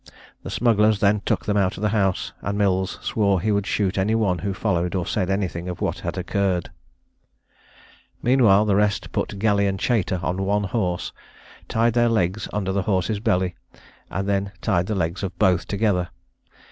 The smugglers then took them out of the house, and Mills swore he would shoot any one who followed or said anything of what had occurred. Meanwhile, the rest put Galley and Chater on one horse, tied their legs under the horse's belly, and then tied the legs of both together.